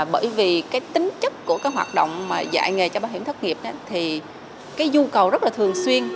bởi vì cái tính chất của cái hoạt động dạy nghề cho bác hiểm thất nghiệp thì cái dưu cầu rất là thường xuyên